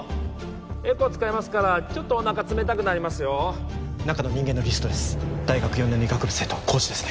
エコー使いますからちょっとおなか冷たくなりますよ・中の人間のリストです大学４年の医学部生と講師ですね